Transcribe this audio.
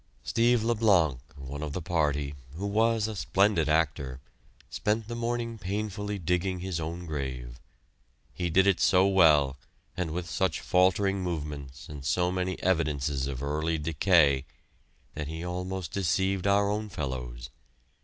Steve Le Blanc, one of the party, who was a splendid actor, spent the morning painfully digging his own grave. He did it so well, and with such faltering movements and so many evidences of early decay, that he almost deceived our own fellows.